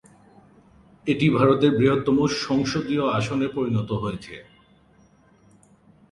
এটি ভারতের বৃহত্তম সংসদীয় আসনে পরিণত হয়েছে।